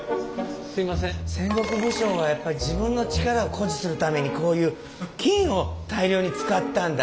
戦国武将はやっぱ自分の力を誇示するためにこういう金を大量に使ったんだね。